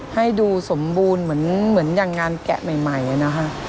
ให้ดูสมบูรณ์เหมือนอย่างงานแกะใหม่นะคะ